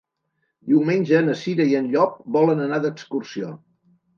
Diumenge na Cira i en Llop volen anar d'excursió.